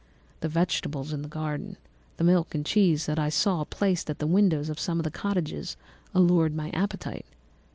The vegetables in the gardens, the milk and cheese that I saw placed at the windows of some of the cottages, allured my appetite.